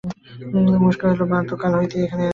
উমেশ কহিল, মা তো কাল হইতে এখানেই আছেন।